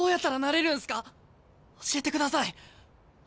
教えてください。